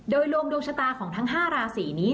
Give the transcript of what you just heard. โดยรวมดวงชะตาของทั้ง๕ราศีนี้